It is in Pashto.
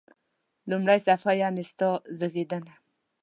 لومړی صفحه: یعنی ستا زیږېدنه.